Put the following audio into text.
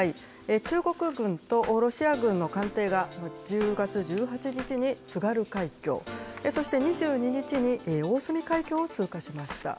中国軍とロシア軍の艦艇が、１０月１８日に津軽海峡、そして２２日に大隅海峡を通過しました。